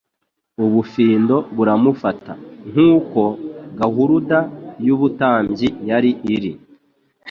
ubufindo buramufata, nk'uko gahuruda y'ubutambyi yari iri,